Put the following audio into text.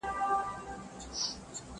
خرخو ځکه پر زمري باندي ډېر ګران وو.!